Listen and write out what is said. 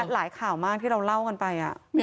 หลายข่าวมากที่เราเล่ากันไป